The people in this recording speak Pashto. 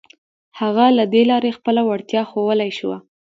هغه له دې لارې خپله وړتيا ښوولای شوه.